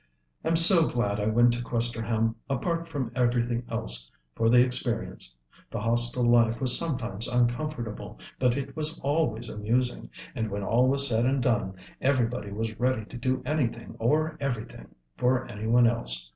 "I'm so glad I went to Questerham, apart from everything else, for the experience. The Hostel life was sometimes uncomfortable, but it was always amusing; and when all was said and done, everybody was ready to do anything or everything for any one else.